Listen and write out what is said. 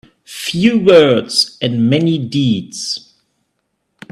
Few words and many deeds.